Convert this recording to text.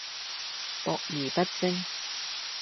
博而不精